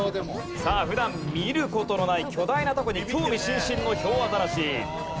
さあ普段見る事のない巨大なタコに興味津々のヒョウアザラシ。